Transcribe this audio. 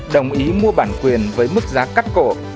đồng ý mua bản quyền với mức giá cắt cổ